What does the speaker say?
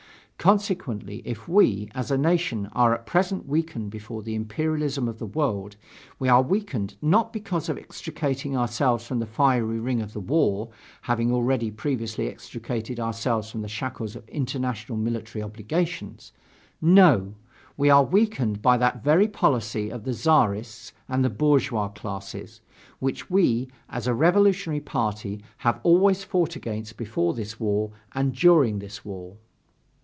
Consequently, if we, as a nation are at present weakened before the imperialism of the world, we are weakened, not because of extricating ourselves from the fiery ring of the war, having already previously extricated ourselves from the shackles of international military obligations: no! we are weakened by that very policy of the Czarists and the bourgeois classes, which we, as a revolutionary party, have always fought against before this war and during this war.